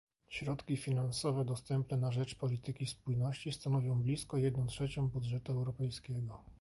Środki finansowe dostępne na rzecz polityki spójności stanowią blisko jedną trzecią budżetu europejskiego